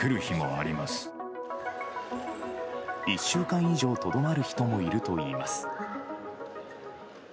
１週間以上とどまる人もいるといいます。